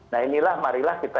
nah inilah marilah kita